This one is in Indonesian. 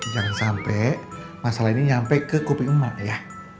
jangan sampe masalah ini nyampe ke kuping emak ya